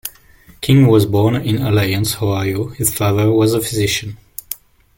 King was born in Alliance, Ohio; his father was a physician.